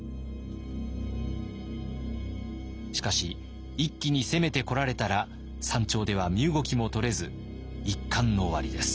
しかし一気に攻めてこられたら山頂では身動きもとれず一巻の終わりです。